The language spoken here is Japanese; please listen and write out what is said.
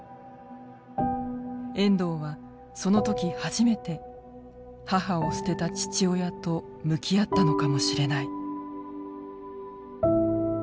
遠藤はその時初めて母を捨てた父親と向き合ったのかもしれない。